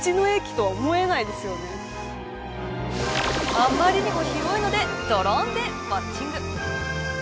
あまりにも広いのでドローンでウオッチング。